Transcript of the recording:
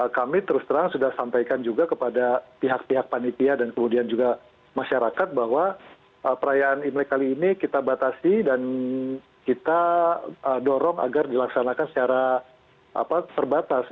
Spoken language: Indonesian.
kami terus terang sudah sampaikan juga kepada pihak pihak panitia dan kemudian juga masyarakat bahwa perayaan imlek kali ini kita batasi dan kita dorong agar dilaksanakan secara terbatas